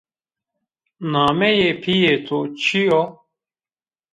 Nameyê pîyê to çi yo?